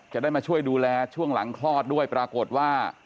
จะได้มาช่วยดูแลช่วงหลังคลอดด้วยปรากฏว่า